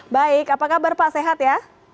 baik apa kabar pak sehat ya